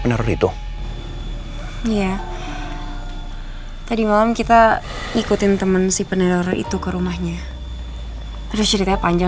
pener itu iya tadi malam kita ikutin teman si penelur itu ke rumahnya terus ceritanya panjang